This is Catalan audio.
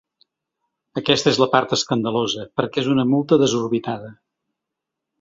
Aquesta és la part escandalosa, perquè és una multa desorbitada.